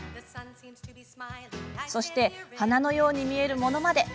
そして花のように見えるものまで。